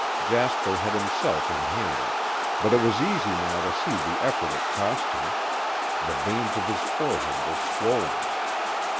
Jasper had himself in hand, but it was easy now to see the effort it cost him. The veins of his forehead were swollen.